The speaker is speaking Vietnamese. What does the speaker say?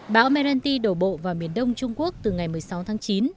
bão merenti đổ bộ vào miền đông trung quốc từ ngày một mươi sáu tháng chín